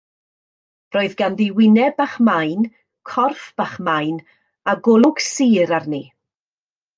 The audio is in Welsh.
Roedd ganddi wyneb bach main, corff bach main a golwg sur arni.